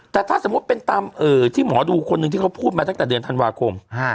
แต่ถ้าสมมุติเป็นตามที่หมอดูคนหนึ่งที่เขาพูดมาตั้งแต่เดือนธันวาคม